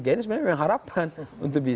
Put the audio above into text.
jadi kita tidak akan menyebabkan pembentukan